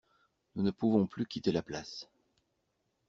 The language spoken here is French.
Nous ne pouvons plus quitter la place.